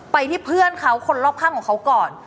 ไปที่เพื่อนเขาคนรอบข้างของเขาก่อน